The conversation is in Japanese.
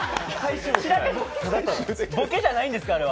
ボケじゃないんですか？